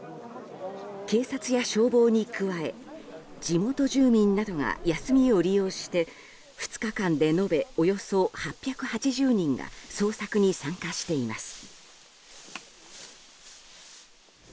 警察や消防に加え地元住民などが休みを利用して２日間で延べおよそ８８０人が捜索に参加しています。